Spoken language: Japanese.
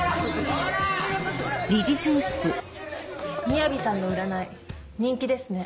みやびさんの占い人気ですね。